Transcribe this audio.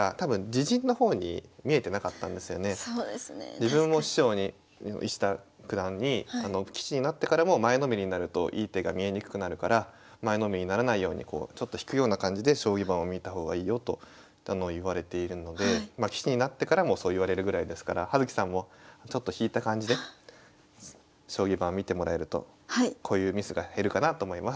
自分も師匠に石田九段に棋士になってからも前のめりになるといい手が見えにくくなるから前のめりにならないようにちょっと引くような感じで将棋盤を見た方がいいよと言われているので棋士になってからもそう言われるぐらいですから葉月さんもちょっと引いた感じで将棋盤見てもらえるとこういうミスが減るかなと思います。